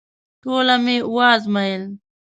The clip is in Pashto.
ټوله مي وازمایل …